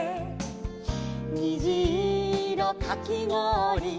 「にじいろかきごおり」